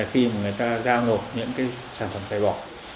khi mà người ta giao nộp những cái sản phẩm thải bỏ